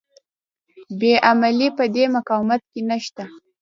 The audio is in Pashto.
بې عملي په دې مقاومت کې نشته.